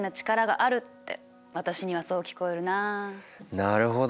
なるほどね。